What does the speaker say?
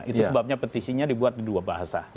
itu sebabnya petisinya dibuat di dua bahasa